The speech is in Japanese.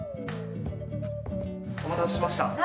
お待たせしました。